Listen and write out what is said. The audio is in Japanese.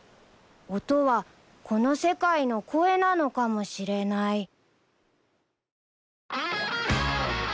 音はこの世界の声なのかもしれない